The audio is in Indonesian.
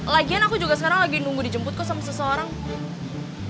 lagian aku juga sekarang lagi nunggu dijemput kok sama seseorang